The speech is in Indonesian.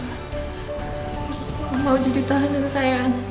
aku mau jadi tahanan sayang